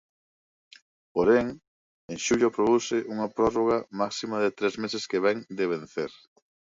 Porén, en xullo aprobouse unha prórroga máxima de tres meses que vén de vencer.